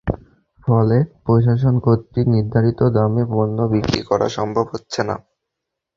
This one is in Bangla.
ফলে প্রশাসন কর্তৃক নির্ধারিত দামে পণ্য বিক্রি করা সম্ভব হচ্ছে না।